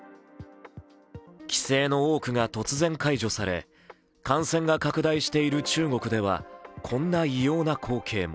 規制の多くが突然解除され、感染が拡大している中国ではこんな異様な光景も。